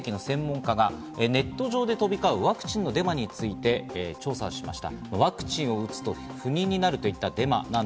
ＳＮＳ分析の専門家がネット上で飛びかうワクチンのデマについて調査しました。